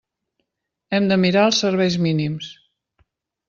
Hem de mirar els serveis mínims.